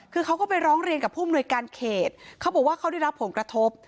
คือเขาก็ไปร้องเรียนกับผู้อำนวยการเขตเขาบอกว่าเขาได้รับผลกระทบ